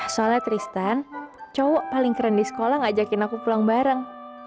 soalnya tristan cowok paling keren di sekolah ngajakin aku pulang bareng